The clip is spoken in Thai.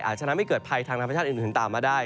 อาจจะทำให้เกิดภัยทางธรรมชาติอื่นตามมาได้